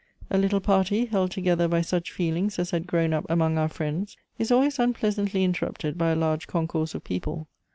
A little party, held together by such feelings as had 80 Goethe's grown up among our friends, is always unpleasantly in terrupted by a large concoui se of people.